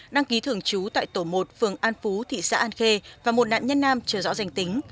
đăng ký thường trú tại tổ một phường an phú thị xã an khê và một nạn nhân nam chưa rõ danh tính